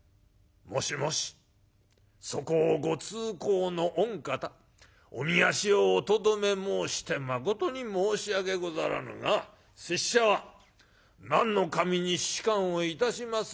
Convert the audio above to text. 『もしもしそこをご通行の御方おみ足をおとどめ申してまことに申し訳ござらぬが拙者は何の守に仕官をいたします